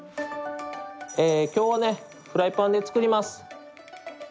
今日はフライパンで作ります。